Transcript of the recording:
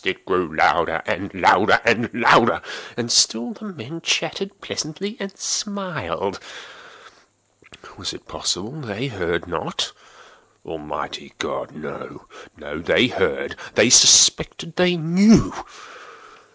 It grew louder—louder—louder! And still the men chatted pleasantly, and smiled. Was it possible they heard not? Almighty God!—no, no! They heard!—they suspected!—they knew!